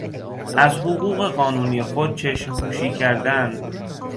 از حقوق قانونی خود چشم پوشی کردن